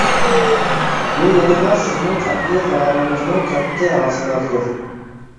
بۇ يەنىلا سىزنىڭ قەتئىي قارارىڭىزنىڭ كاتتا ھاسىلاتىدۇر.